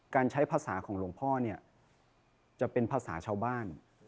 การใช้ภาษาของหลวงพ่อจะเป็นภาษาชาวบ้าน